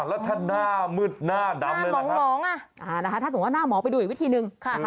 แล้วถ้าหน้ามืดหน้าดำเลยเหรอครับถ้าสมมุติว่าหน้าหมอไปดูอีกวิธีนึง